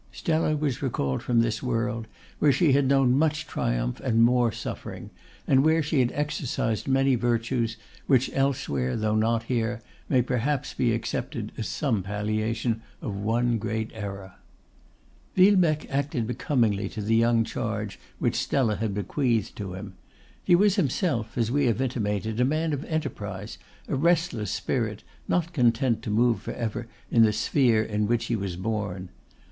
Stella was recalled from this world, where she had known much triumph and more suffering; and where she had exercised many virtues, which elsewhere, though not here, may perhaps be accepted as some palliation of one great error. Villebecque acted becomingly to the young charge which Stella had bequeathed to him. He was himself, as we have intimated, a man of enterprise, a restless spirit, not content to move for ever in the sphere in which he was born.